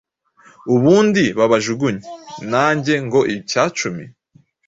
ubundi babajugunye! Nange ngo “icyacumi”!